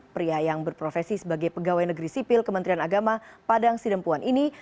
pria yang berprofesi sebagai pegawai negeri sipil kementerian agama padang sidempuan ini